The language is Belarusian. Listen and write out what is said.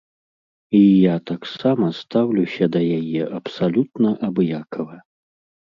І я таксама стаўлюся да яе абсалютна абыякава.